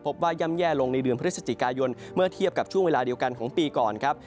ย่ำแย่ลงในเดือนพฤศจิกายนเมื่อเทียบกับช่วงเวลาเดียวกันของปีก่อนครับ